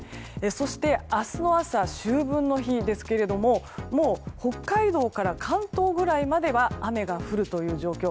そして、明日の朝秋分の日ですけどももう北海道から関東くらいまでは雨が降るという状況。